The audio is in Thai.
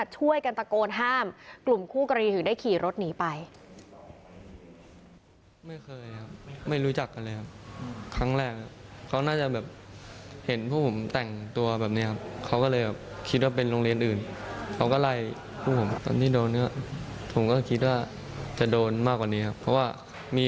ช่วยกันตะโกนห้ามกลุ่มคู่กรณีถึงได้ขี่รถหนีไป